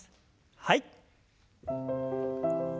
はい。